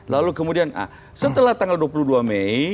lalu kemudian setelah tanggal dua puluh dua mei